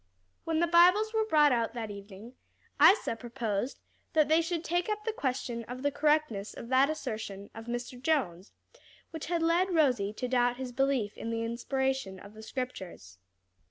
When the Bibles were brought out that evening, Isa proposed that they should take up the question of the correctness of that assertion of Mr. Jones which had led Rosie to doubt his belief in the inspiration of the Scriptures.